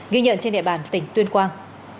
ghi nhận trên đệ bản tỉnh tuyên quang